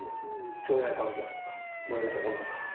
腸内環境悪化、森山さんおなか。